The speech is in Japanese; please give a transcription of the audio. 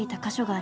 「あ」